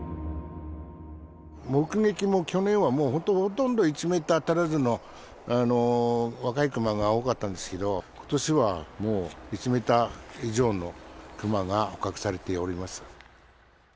目撃も、去年はもうほとんど１メーター足らずの若いクマが多かったんですけれども、ことしはもう１メーター以上のクマが捕獲されております。